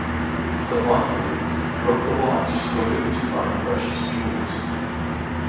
Subandhu broke the locks, hoping to find precious jewels.